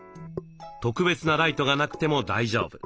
特別なライトがなくても大丈夫。